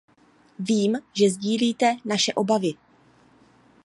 Vím, že sdílíte naše obavy.